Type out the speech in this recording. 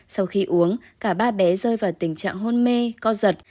sau khi uống cả ba bé rơi vào tình trạng hôn mê co giật